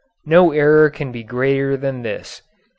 No error can be greater than this.